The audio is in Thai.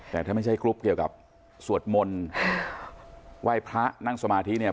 แต่ถ้าไม่ใช่กรุ๊ปเกี่ยวกับสวดมนต์ไหว้พระนั่งสมาธิเนี่ย